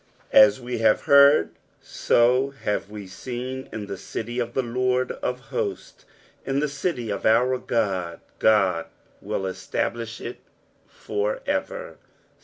8 As we have heard, so have we seen in the city of the Lord of host^, in the city of our God : God will establish it for ever.